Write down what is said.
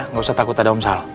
gapapa takut ada om sal